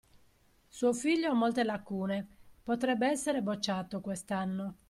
Suo figlio ha molte lacune, potrebbe essere bocciato quest'anno.